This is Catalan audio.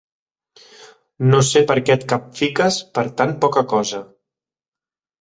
No sé per què et capfiques per tan poca cosa.